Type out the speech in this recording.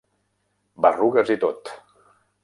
Berrugues i tot!